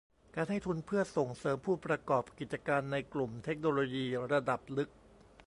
การให้ทุนเพื่อส่งเสริมผู้ประกอบกิจการในกลุ่มเทคโนโลยีระดับลึก